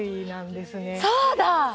そうだ！